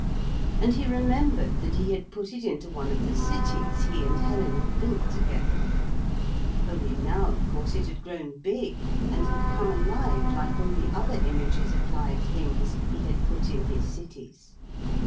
And he remembered that he had put it into one of the cities he and Helen had built together. Only now, of course, it had grown big and had come alive like all the other images of live things he had put in his cities.